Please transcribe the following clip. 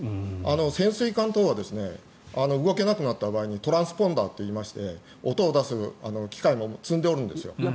潜水艦とは動けなくなった場合にトランスポンダーといって音を出す機械も積んでいるんです。